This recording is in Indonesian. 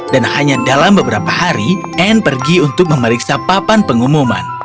dan hanya dalam beberapa hari anne pergi untuk memeriksa papan pengumuman